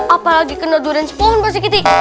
apalagi kena durian sepuluh pak sri kiti